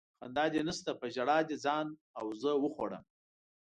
خندا دې نشته په ژړا دې ځان او زه وخوړم